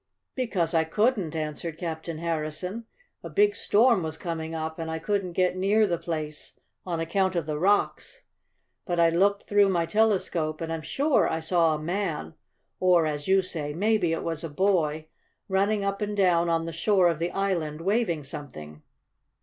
"Because I couldn't," answered Captain Harrison. "A big storm was coming up, and I couldn't get near the place on account of the rocks. But I looked through my telescope, and I'm sure I saw a man or, as you say, maybe it was a boy running up and down on the shore of the island, waving something.